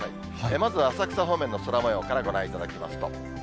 まずは浅草方面の空もようからご覧いただきますと。